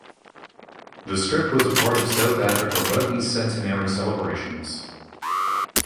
The strip was a part of South African rugby's centenary celebrations.